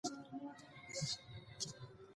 د نورو غلو تر څنگ د پنډو وریجو شولې هم پکښی کرل کیږي.